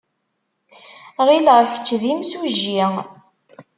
Ɣileɣ kečč d imsujji.